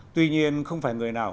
tuy nhiên không phải người nào